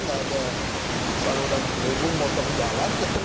tidak ada saluran berubung motor dan lain lain